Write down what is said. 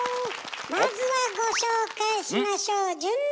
まずはご紹介しましょう。